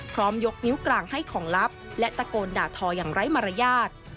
ยกนิ้วกลางให้ของลับและตะโกนด่าทออย่างไร้มารยาท